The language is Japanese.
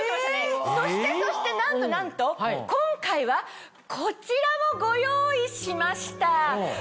そしてそしてなんとなんと今回はこちらもご用意しました。